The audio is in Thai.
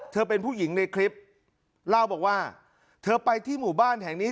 เป็นผู้หญิงในคลิปเล่าบอกว่าเธอไปที่หมู่บ้านแห่งนี้